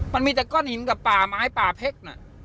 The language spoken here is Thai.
มันมีแต่ก้อนหินกับป่าไม้ป่าเพชรน่ะ